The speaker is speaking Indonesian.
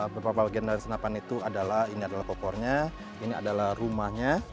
beberapa bagian dari senapan itu adalah ini adalah kompornya ini adalah rumahnya